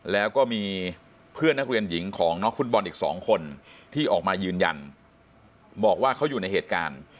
แล้วก็มีเพื่อนนักเรียนหญิงของนักฟุตบอลอีก๒คนที่ออกมายืนยันบอกว่าเขาอยู่ในเหตุการณ์